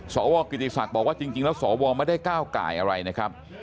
สอบวอลกิจสักย์บอกว่าจริงแล้วสอบวอลไม่ได้ก้าวไก่อะไรนะครับ